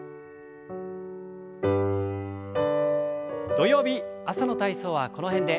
土曜日朝の体操はこの辺で。